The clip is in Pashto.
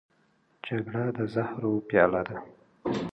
جګړه د زهرو پیاله ده